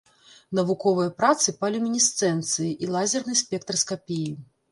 Навуковыя працы па люмінесцэнцыі і лазернай спектраскапіі.